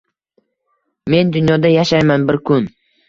Men dunyoda yashayman bir kun.